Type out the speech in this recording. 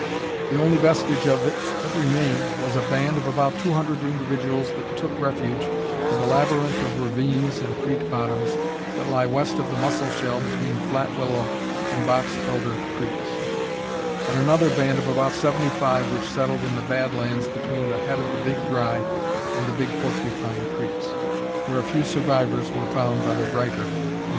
The only vestige of it that remained was a band of about two hundred individuals that took refuge in the labyrinth of ravines and creek bottoms that lie west of the Musselshell between Flat Willow and Box Elder Creeks, and another band of about seventy five which settled in the bad lands between the head of the Big Dry and Big Porcupine Creeks, where a few survivors were found by the writer in 1886.